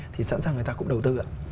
thì sẵn sàng người ta cũng đầu tư ạ